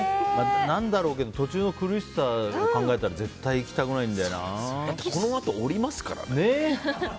なんだけど途中の苦しさを考えたらこのあと下りますからね。